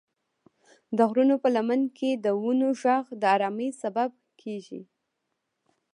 د غرونو په لمن کې د ونو غږ د ارامۍ سبب کېږي.